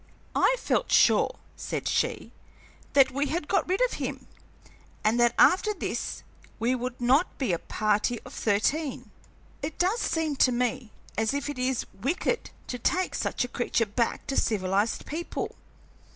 "I felt sure," said she, "that we had got rid of him, and that after this we would not be a party of thirteen. It does seem to me as if it is wicked to take such a creature back to civilized people.